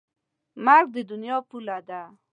مرګ د دنیا پوله ده.